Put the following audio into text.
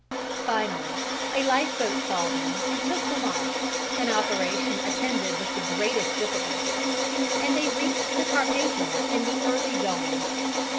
Finally a lifeboat saw them and took them off, an operation attended with the greatest difficulty, and they reached the Carpathia in the early dawn.